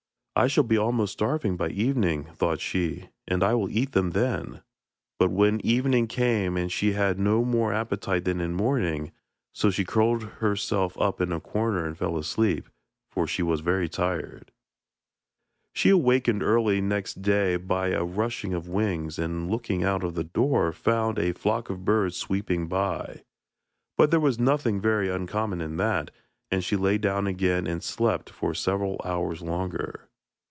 'I shall be almost starving by the evening,' thought she, 'and I will eat them then;' but when evening came she had no more appetite than in the morning, so she curled herself up in a corner and fell asleep, for she was very tired. She was awakened early next day by a rushing of wings, and, looking out of the door, found a flock of birds sweeping by. But there was nothing very uncommon in that, and she lay down again and slept for several hours longer.